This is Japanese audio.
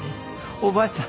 おばあちゃん